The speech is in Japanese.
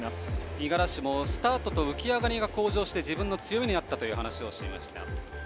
五十嵐もスタートと浮き上がりが向上して自分の強みになったと話していました。